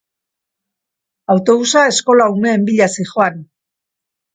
Autobusa eskola umeen bila zihoan.